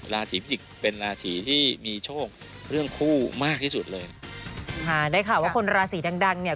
ราศีพิจิกษ์เป็นราศีที่มีโชคเรื่องคู่มากที่สุดเลยค่ะได้ข่าวว่าคนราศีดังดังเนี่ย